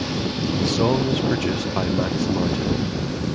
The song was produced by Max Martin.